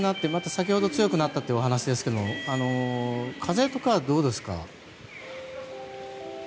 先ほど、強くなったというお話ですけれども風とかは、どうですか？